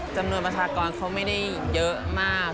จำนวนประชากรเขาไม่ได้เยอะมาก